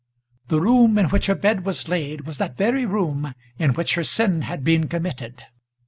The room in which her bed was laid was that very room in which her sin had been committed.